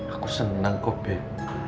aku seneng kok beb